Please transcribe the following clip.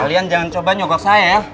kalian jangan coba nyogok saya ya